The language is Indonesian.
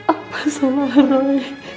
apa salah roy